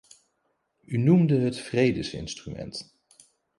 U noemde het vredesinstrument.